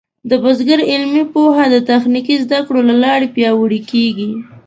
د بزګر علمي پوهه د تخنیکي زده کړو له لارې پیاوړې کېږي.